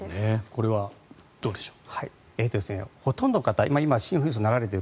これはどうでしょう。